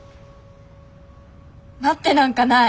待ってなんかない！